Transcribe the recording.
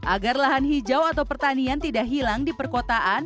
agar lahan hijau atau pertanian tidak hilang di perkotaan